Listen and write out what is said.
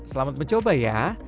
selamat mencoba ya